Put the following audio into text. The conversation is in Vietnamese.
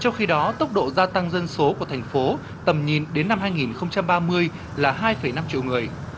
trong khi đó tốc độ gia tăng dân số của thành phố tầm nhìn đến năm hai nghìn ba mươi là hai năm triệu người